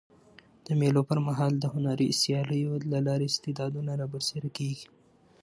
د مېلو پر مهال د هنري سیالیو له لاري استعدادونه رابرسېره کېږي.